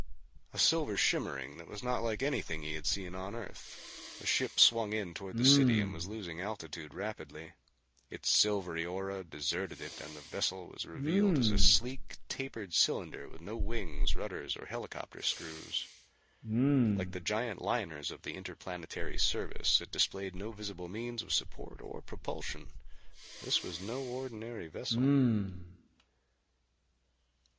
A silver shimmering that was not like anything he had seen on Earth. The ship swung in toward the city and was losing altitude rapidly. Its silvery aura deserted it and the vessel was revealed as a sleek, tapered cylinder with no wings, rudders or helicopter screws. Like the giant liners of the Interplanetary Service it displayed no visible means of support or propulsion. This was no ordinary vessel.